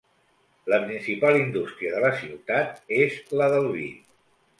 La principal indústria de la ciutat és la del vi.